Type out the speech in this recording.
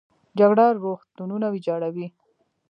جګړه روغتونونه ویجاړوي